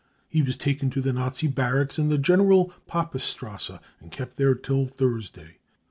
He was taken to the Nazi barracks in the General Papestrasse and kept there till Thursday.